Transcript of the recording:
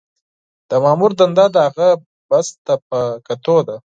د مامور دنده د هغه بست ته په کتو ده.